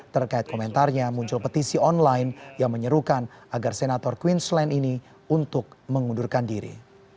terkait komentarnya muncul petisi online yang menyerukan agar senator queensland ini untuk mengundurkan diri